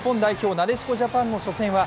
なでしこジャパンの初戦は